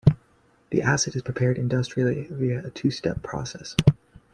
The acid is prepared industrially via a two step process.